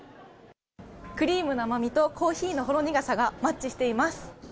クリームの甘みとコーヒーのほろ苦さがマッチしています。